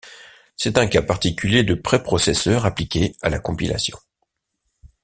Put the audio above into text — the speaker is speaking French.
C'est un cas particulier de préprocesseur appliqué à la compilation.